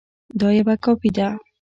دا یوه کاپي ده